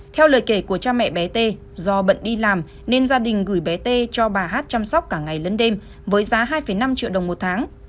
theo lời kể của cha mẹ bé t do bận đi làm nên gia đình gửi bé t cho bà hát chăm sóc cả ngày lẫn đêm với giá hai năm triệu đồng một tháng